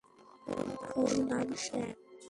ওর নাম স্যাম।